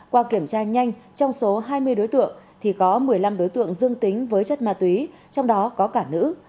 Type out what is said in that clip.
qua kiểm tra nhanh trong số hai mươi đối tượng thì có một mươi năm đối tượng dương tính với chất ma túy trong đó có cả nữ